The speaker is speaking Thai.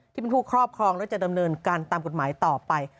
ที่เป็นผู้ครอบครองแล้วจะดำเนินการตามกฎหมายต่อไป